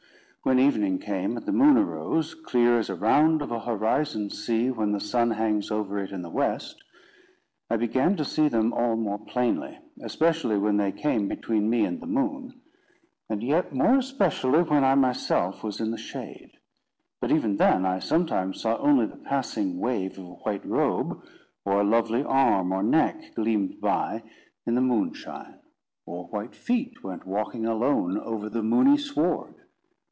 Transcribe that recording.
When evening came, and the moon arose, clear as a round of a horizon sea when the sun hangs over it in the west, I began to see them all more plainly; especially when they came between me and the moon; and yet more especially, when I myself was in the shade. But, even then, I sometimes saw only the passing wave of a white robe; or a lovely arm or neck gleamed by in the moonshine; or white feet went walking alone over the moony sward.